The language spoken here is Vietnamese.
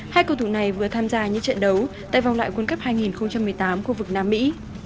hai cầu thủ này vừa tham gia những trận đấu tại vòng loại quân cấp hai nghìn một mươi tám của vực nam mỹ